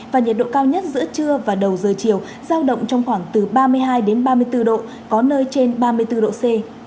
và nhiệt độ cao nhất giữa trưa và đầu giờ chiều giao động trong khoảng từ ba mươi hai ba mươi bốn độ có nơi trên ba mươi bốn độ c